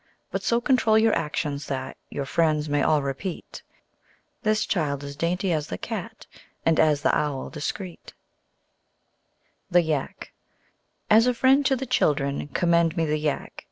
But so control your actions that Your friends may all repeat. 'This child is dainty as the Cat, And as the Owl discreet.' The Yak As a friend to the children commend me the Yak.